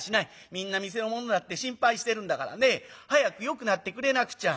みんな店の者だって心配してるんだからね早くよくなってくれなくちゃ。